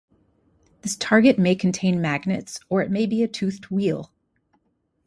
This target may contain magnets, or it may be a toothed wheel.